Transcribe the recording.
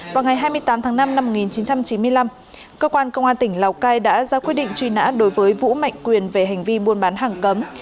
vào ngày hai mươi tám tháng năm năm một nghìn chín trăm chín mươi năm cơ quan công an tỉnh lào cai đã ra quyết định truy nã đối với vũ mạnh quyền về hành vi buôn bán hàng cấm